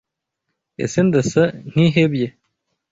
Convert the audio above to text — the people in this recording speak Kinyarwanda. ese Ndasa nkihebye?